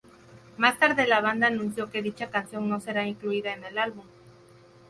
Más tarde la banda anunció que dicha canción no será incluida en el álbum.